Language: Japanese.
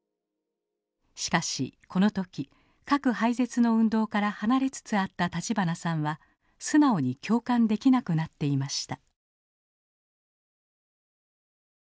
しかしこの時核廃絶の運動から離れつつあった立花さんは素直に共感できなくなっていました。